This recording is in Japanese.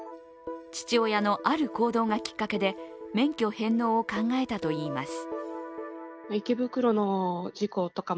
父親のある行動がきっかけで免許返納を考えたといいます。